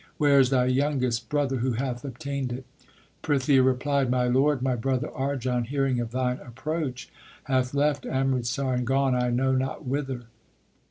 Where is thy youngest brother who hath obtained it ? Prithia replied, My lord, my brother Arjan, hearing of thine approach, hath left Amritsar and gone I know not whither.